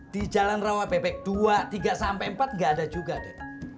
di jalan rawa pepek dua tiga sampai empat gak ada juga